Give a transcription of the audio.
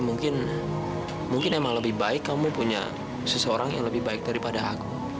mungkin emang lebih baik kamu punya seseorang yang lebih baik daripada aku